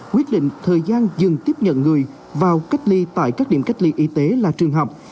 quyết định thời gian dừng tiếp nhận người vào cách ly tại các điểm cách ly y tế là trường học